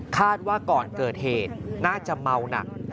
ว่าก่อนเกิดเหตุน่าจะเมาหนัก